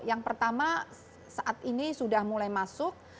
yang pertama saat ini sudah mulai masuk